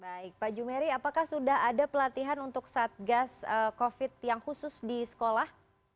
baik pak jumeri apakah sudah ada pelatihan untuk satgas covid yang khusus di sekolah